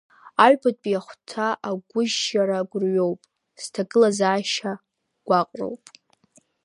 Аҩбатәи ахәҭа агәыжьжьара гәырҩоуп сҭагылазаашьа, гәаҟроуп.